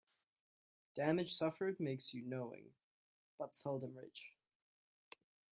Damage suffered makes you knowing, but seldom rich.